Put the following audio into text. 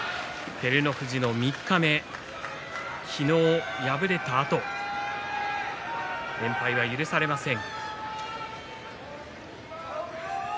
照ノ富士の三日目昨日、敗れたあと連敗は許されません。